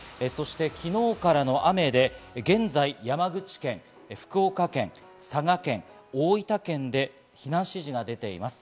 昨日からの雨で現在、山口県、福岡県、佐賀県、大分県で避難指示が出ています。